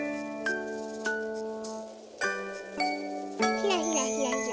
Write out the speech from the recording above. ひらひらひらひら。